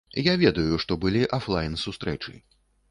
Я ведаю, што былі афлайн-сустрэчы.